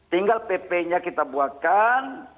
tinggal pp nya kita buatkan